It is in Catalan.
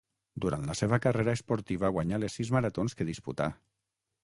Durant la seva carrera esportiva guanyà les sis maratons que disputà.